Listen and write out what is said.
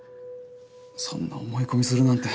そんな思い込みするなんて。